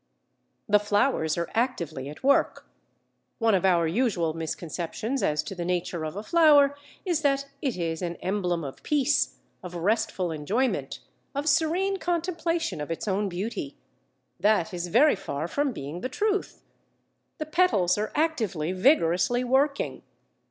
The flowers are actively at work. One of our usual misconceptions as to the nature of a flower is that it is an emblem of peace, of restful enjoyment, of serene contemplation of its own beauty. That is very far from being the truth. The petals are actively, vigorously working.